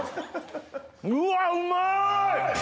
うわうまい！